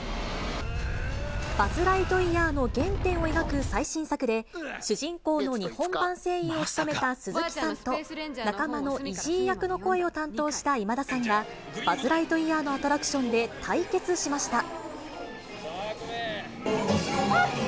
バズ・ライトイヤーの原点を描く最新作で、主人公の日本版声優を務めた鈴木さんと、仲間のイジー役の声を担当した今田さんが、バズ・ライトイヤーのアトラクションで対決しました。